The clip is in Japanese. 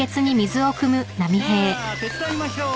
ああ手伝いましょう。